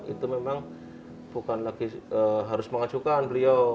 itu memang bukan lagi harus mengajukan beliau